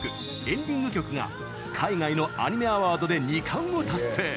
エンディング曲が海外のアニメアワードで２冠を達成。